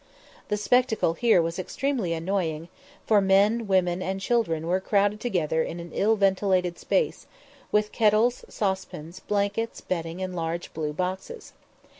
The spectacle here was extremely annoying, for men, women, and children were crowded together in an ill ventilated space, with kettles, saucepans, blankets, bedding, and large blue boxes.